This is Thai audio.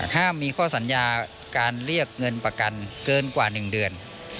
ห้ามมีข้อสัญญาการเรียกเงินประกันเกินกว่า๑เดือน